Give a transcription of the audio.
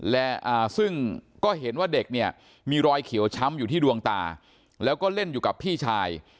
และซึ่งก็เห็นว่าเด็กเนี่ยมีรอยเขียวช้ำอยู่ที่ดวงตาแล้วก็เล่นอยู่กับพี่ชาย